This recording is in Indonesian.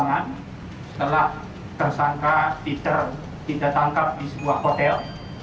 anggota bnn tersangka ditangkap di sebuah hotel